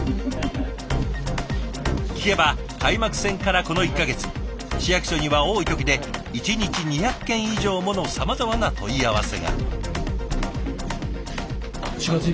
聞けば開幕戦からこの１か月市役所には多い時で１日２００件以上ものさまざまな問い合わせが。